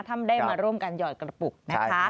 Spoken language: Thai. ท่านได้มาร่วมกันหยอดกระปุกนะคะ